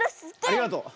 ありがとう。